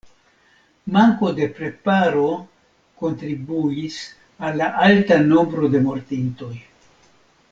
Manko de preparo kontribuis al la alta nombro de mortintoj.